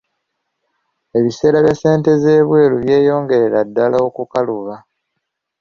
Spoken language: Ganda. Ebiseera bya ssente z'ebweru byeyongerera ddala okukaluba.